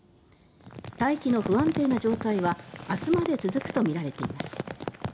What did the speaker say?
大気の不安定な状態は明日まで続くとみられています。